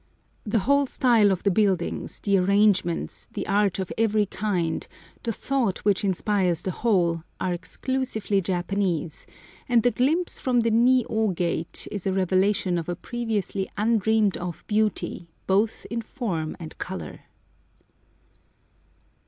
The whole style of the buildings, the arrangements, the art of every kind, the thought which inspires the whole, are exclusively Japanese, and the glimpse from the Ni ô gate is a revelation of a previously undreamed of beauty, both in form and colour.